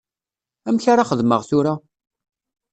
Amek ara xedmeɣ tura?